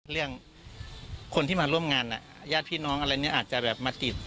เรื่องคนที่มาร่วมงานญาติพี่น้องอะไรเนี่ยอาจจะแบบมาติด